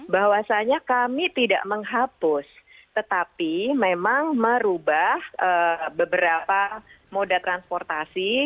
bahwasannya kami tidak menghapus tetapi memang merubah beberapa moda transportasi